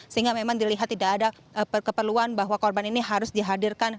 sehingga memang dilihat tidak ada keperluan bahwa korban ini harus dihadirkan